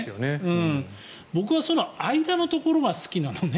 僕は間のところが好きなのね。